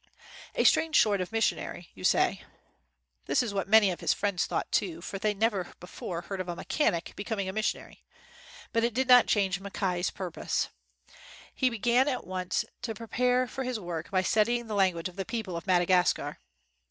A strange sort of missionary, you say. This is what many of his friends thought, too ; for they had never before heard of a mechanic becoming a mis sionary ; but it did not change Mackay 's pur pose. He began at once to prepare for his work by studying the language of the peo ple of Madagascar.